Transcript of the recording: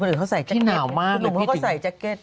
ผมสายแจ็คเก็ต